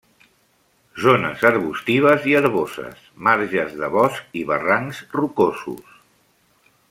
Zones arbustives i herboses, marges de bosc i barrancs rocosos.